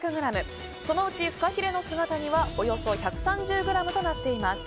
そのうちフカヒレの姿煮はおよそ１３０ｇとなっています。